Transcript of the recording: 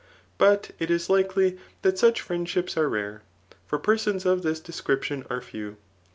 But it is likely that such friendships are rare; for persons of this description are few.